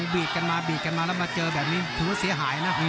บีดกันมาแล้วเจอแบบนี้สิถือว่าเสียหายนะ